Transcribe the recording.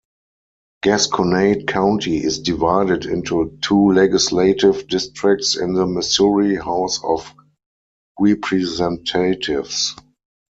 Gasconade County is divided into two legislative districts in the Missouri House of Representatives.